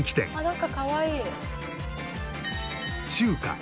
なんかかわいい。